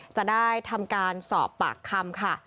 จะได้ทำการสอบปากคำค่ะ